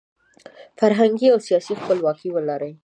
فرهنګي او سیاسي خپلواکي ولري.